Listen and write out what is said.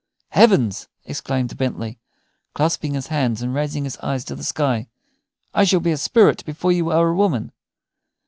"Heavens!" exclaimed Bentley, clasping his hands and raising his eyes to the sky, "I shall be a spirit before you are a woman."